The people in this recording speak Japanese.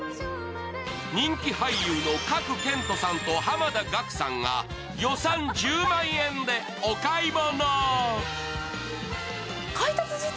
人気俳優の賀来賢人さんと濱田岳さんが予算１０万円でお買い物。